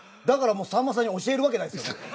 だからもうさんまさんに教えるわけないですよね。